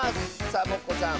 サボ子さん